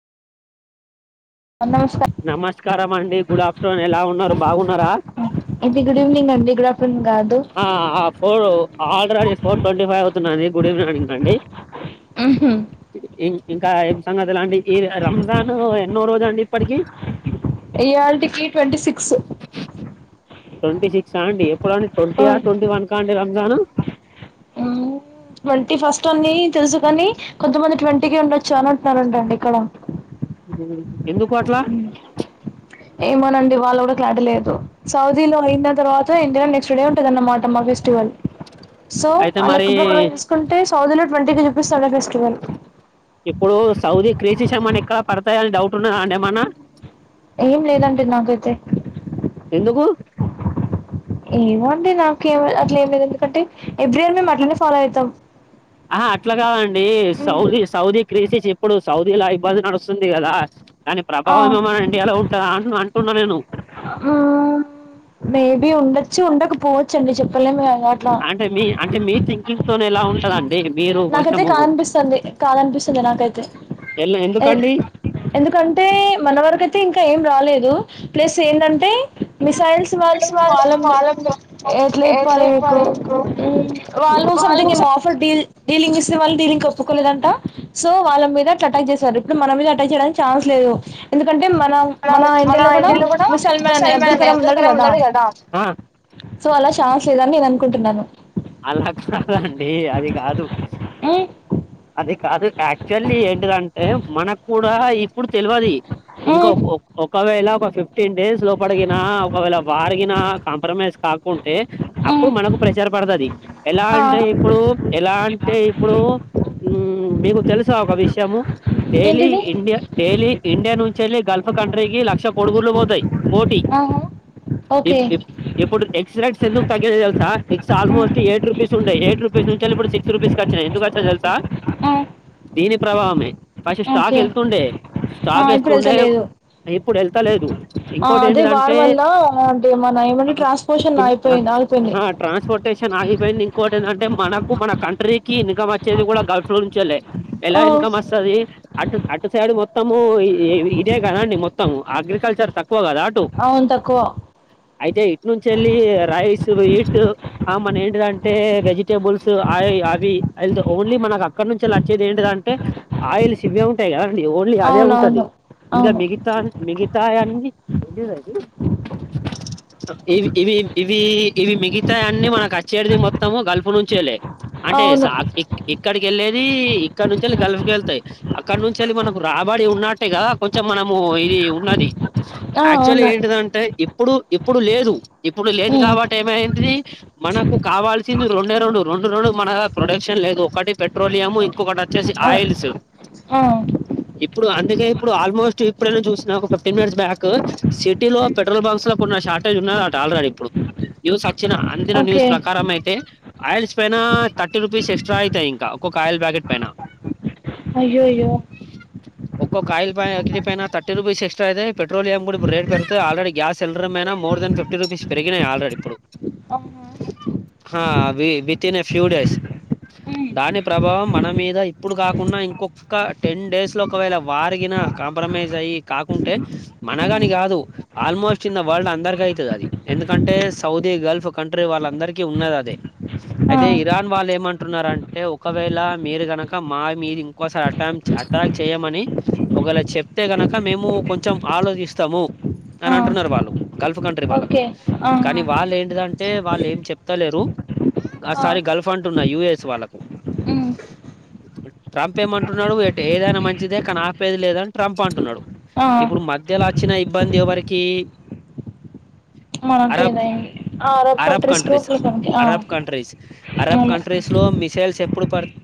నమస్కారం నమస్కారం అండి గుడ్ ఆఫ్టర్నూన్ ఎలా ఉన్నారు బాగున్నారా ఇది గుడ్ ఈవినింగ్ అండి గుడ్ ఆఫ్టర్నూన్ కాదు ఆ four already four twenty five అవుతున్నది గుడ్ ఈవెనింగ్ అండి ఆహా ఇం- ఇంకా ఏం సంగతిలాండి ఈ రంజాన్ ఎన్నో రోజు అండి ఇప్పటికి రయాల్టి పి ట్వంటీ సిక్స్ ట్వంటీ సిక్స్ అండి ఎప్పుడు అండి ట్వంటీ ఆ ట్వంటీ వన్ కా అండి రంజాను ఆ ట్వంటీ ఫస్ట్ అన్ని తెలుసుకని కొంతమంది ట్వంటీకిి ఉండొచ్చు అని అంటున్నన్నారుంటండి ఇక్కడ ఉహు. ఎందుకు అట్లా ఏమోనండి వాళ్ళు కూడా క్లాడలేదు సౌదీ లో అయిన తర్వాత ఇండియా నెక్స్ట్ డే ఉంటది అన్నమాట సో అయితే మరి అలెక్క ప్రకారం చూసుకొంటాను సౌదీ లో ట్వంటీ దేనం ఇప్పుడు సౌదీ క్రీజ ఏమన్నా ఎక్కడ పడతాయ అని డౌట్ ఉన్న అండి ఏమన్నా ఏం లేదంటే నాకైతే ఎందుకు ఏమోండి నాక ఏం అట్లా ఏం లేదు ఎందుకంటే ఎవ్రీ ఇయర్ మేము అట్లనే ఫాలో అవుతాం ఆహ అట్లా కాదండి సౌదీ సౌదీ క్రీసీస్ ఇప్పుడు సౌదీ లా ఇబ్బంది నడుస్తుంది స్తుందిగాదా కానీ ఆ ప్రభావం ఏమో మన ఇండియాలో ఉంటుందా అ అంటున్నా నేను అ ఉండొచ్చు ఉండకపోవచ్చుండి చెప్పి ళమి అట్లా అంటే మీ అంటే మీ థింకింగ్ తోనే ఎలా ఉంటదండి మీరు నాకైతే కొంచెము కాదనిపిస్తుంది కాద అనిపిస్తుద నాకైతే ఎలా ఎందుకండి ఎందుకంటే మన వరక అయితే ఇంకా ఏం రాలేదు ప్లస్ ఏంటంటే సైన్స్ వాళ్ళు ఫ్రెండ్స్ వాళ్ళం వాళ్ళని ఎట్లా ఎట్లాయిపోవాలి మీకు చెప్పాలి వాళ్ళు అంటేము ఆఫర్ డల్ డీలింగ్ ఇస్తే వాళ్ళ డిలింగ్ ఒప్పుకోలేదంటా సో వాళ్ళ మీద అటాక్ చేసారు ఇప్పుడు మన మీద అటాక్ చేయడానికి ఛాన్స్ లేదు ఎందుకంటే మ మన మన ఇండియాలో కూడా మిసైల్ మ్యాన్ అబ్దుల్ కలాం ఉన్నాడు కదా సో అలా ఛాన్స్ లేదని నేను అనుకుంటున్నాను అలా కాదండి అది కాదు ఏ అది కాదు యాక్చువల్లీ ఏంటిదంటే మనకు కూడా ఇప్పుడు తెలియది ఇంకా ఒకవేళ ఫిఫ్టీన్ డేస్ లో పడిగిన ఒకవేళ వారగిన కాంప్రమైజ్ కాకుండా అంటే అప్పుడు మనకు ప్రచార పడతుది ఎలా ఆ అంటే ఇప్పుడు ఎలా అంటే ఇప్పుడు మీకు తెలుసా ఒక విషయము డైలీ ఏంటిది ఇండియా డైలీ ఇండియా నుంచి వెళ్ళి గల్ఫ్ కంట్రీకి లక్ష కొడుగుర్లు పోతాయి కోటి ఆహా ఓకే ఎప్పుడు ఎగ్ ఎట్స్ ఎకు తగినయ్ తెలుా extra almost eight rupees ఉాయిట్ rupees నుంచి ఇప్పుడు సిక్స్ రూపీస్ వచ్చాయి ఎందుకు వా తెసా ఆ దీని ప్రభావమే ఫస్ట్ స్టాక్ వెళ్తుండే స్టాక్ ఆ ఇప్పుడు వస్తుండే వెళ్తలేదు ఇప్పుడు వెళ్తలేదు ఆ ఇంకోటి అదే వార్ ఏంటిదంటే వల్ల అంటే మన ఏమంటే ట్రాన్స్పోర్షన్ అయిపోయింది ఆగిపోయింది ట్రాన్స్పోర్టేషన్ న్ ఆగిపోయింది ఇంకోటి ఏంటంటే మనకు మన కంట్రీకి ఇన్కమ్ వచ్చేది కూడా గల్ఫ్ లో నుంచలే ఎలా ఓ ఇన్కమ్ వస్తది అటు అటు సైడ్ మొత్తము ఇదే కదండి మొత్తం అగ్రికల్చర్ తక్కువ క్కువ కదా అటు అవును తక్కువ అయితే ఇటు నుంచి వెళ్ళి రైస్ స్వీట్ ఆ మన ఏంటిదంటే వెజిటేబుల్స్ అవి అవి అ ఓన్లీ మనకు అక్కడ నుంచిళ్లా వచ్చేది ఏంటిద అంటే ఆయిల్స్ ఇవే ఉంటాయి కదా అడి ఓన్లీ అదే ఉంటది అవునవును ఇంకా అవును మిగతా మిగతా అనిద అది ఇవి ఇవి ఇవి ఇవి మిగతా అన్నీ మనకు వచ్చేరిది మొత్తము గల్ఫ్ నుంచేలే అంటే అవును ఇక్కడికి వెళ్ళేది ఇక్కడ నుంచి గలుఫకి వెళ్తాయి అక్కడ నుంచి వెళ్ళి మనం రాబడి ఉన్నట్టేగాదా కొంచెం మనము ఇది ఉన్నది ఆ యాక్చువల్ అవును ఏంటిదంటే ఇప్పుడు ఇప్పుడు లేదు ఇప్పుడు లేదు ఉమ్, కాబట్టి ఏమైది మనకు కావాల్సింది రెండే రెండు రెండు రెండు మన ప్రొడక్షన్ లేదు కట్టి ఆ ఇప్పుడు అందుకే ఇప్పుడు ఆల్మోస్ట్ ఇప్పుడై చూసినా ఒక ఫిఫ్టీన్ మినిట్స్ బ్యాక్ సిటీలో పెట్రోల్ బంప్స్ లో కొ షార్టేజ్ ఉన్న అట ఆ ఇప్పుడు ఇచ్చిన అందిన ఓకే న్యూస్ ప్రకారం అయితే ఆయిల్స్ పైన థర్టీ రూపీస్ ఎక్స్ట్రా అవుతాయి ఇంకా ఒక్కొక్క ఆయిల్ బ్యాకెట్ పైన అయ్యో అయ్యో ఒక్కో కాయల్ ప పైన థర్టీ రూపీస్ ఎస్ట్రా అయితే పెట్రోలియం కూడా రేట్ పెరుతుంది already gas cylinder more than fifty rupees పెరిగినయి ఆల్రెడీప్పుడు అహా హా భితి ఫ్యూడైస్ ఉమ్, దాని ప్రభావం మన మీద ఇప్పుడు కాకుండా ఇంకొక టెన్ డేస్ లో ఒకవేళ వారగిన కాంప్ర అ కాకుంటే మనగాని ఉమ్, కాదు ఆల్మోస్ట్ ఇన్ వరల్డ్ అందరికి అవుతుంది అది ఎందుకంటే అంటే సౌదీ గల్ఫ్ కంట్రీ వాళ్ళందరికీ ఉన్నది అదే ఆ, అయితే ఇరాన్ వాళ్ళు ఏమంటున్నారుా అంటే ఒకవేళ మీరు గనక మా మీది ఇంకోసారి అటాక్ అటాక్ చేయమని ఒకవేళ చెప్ అ గనక మేము కొంచెం ఆలోచిస్తాము అని ఆ. అంటున్నారు వాళ్ళు గల్ఫ్ ఇప్పు కంట్రీ వాళ్ళకు ఓకే ఆహా కానీ వాళ్ళ ఏంటిదం అంటే వాళ్ళు ఏం చెప్తలేరు ఆ సారి గల్ఫ్ అంటున్న యుఎస్ వాళ్ళకి హ్మ్ ట్రంప్ ఏమంటున్నడు ఏదైనా మంచిదే కాని ఆపేది లేదని ట్రంప్ అంటున్నాడు ఆ ఇప్పుడు మధ్యలో వచ్చిన ఇబ్బంది ఎవరికి అరబ్ మనకేదైంది ఆ అరబ్ కు కంట్రీస్ ఆ అరబ్ కంట్రీస్ అరబ్ అవును కంట్రీస్ లో మిసైల్స్ ఎప్పుడు పడు